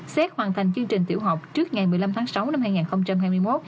xét hoàn thành chương trình tiểu học trước ngày một mươi năm tháng sáu năm hai nghìn hai mươi một